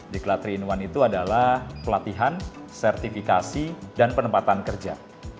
diklat tiga in satu itu adalah pelatihan sertifikasi dan penempatan kerja